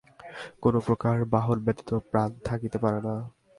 কোন প্রকার বাহন ব্যতীত প্রাণ থাকিতে পারে না।